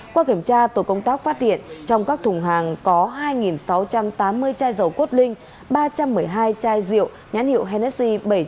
qua kiểm tra tổ công tác phát hiện trong các thùng hàng có hai sáu trăm tám mươi chai dầu cốt linh ba trăm một mươi hai chai rượu nhãn hiệu hennessy